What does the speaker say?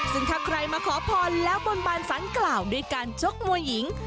ซึ่งถ้าใครมาขอพรแล้วบนบานสารกล่าวด้วยการชกมวยหญิง